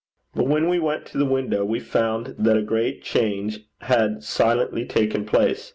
But when we went to the window we found that a great change had silently taken place.